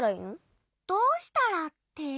「どうしたら」って？